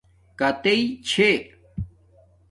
کتݵئ چھݺ؟